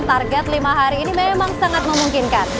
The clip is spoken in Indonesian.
target lima hari ini memang sangat memungkinkan